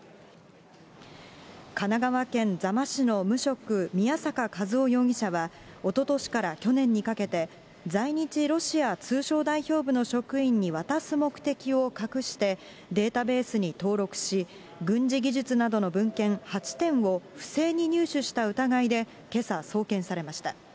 神奈川県座間市の無職、宮坂かずお容疑者はおととしから去年にかけて、在日ロシア通商代表部の職員に渡す目的を隠して、データベースに登録し、軍事技術などの文献８点を不正に入手した疑いで、けさ、送検されました。